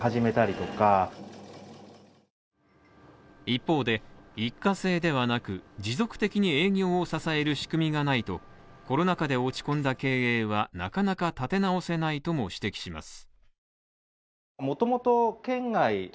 一方で、一過性ではなく、持続的に営業を支える仕組みがないとコロナ禍で落ち込んだ経営はなかなか立て直せないとも指摘します。